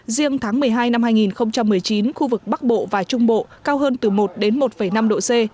riêng tháng một mươi hai năm hai nghìn một mươi chín khu vực bắc bộ và trung bộ cao hơn từ một đến một năm độ c